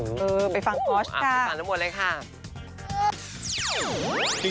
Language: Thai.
เออไปฟังโพสต์ไปฟังทั้งหมดเลยค่ะ